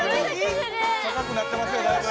高くなってますよだいぶ。